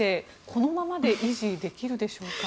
このままで維持できるでしょうか。